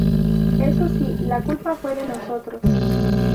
Eso sí, la culpa fue de nosotros.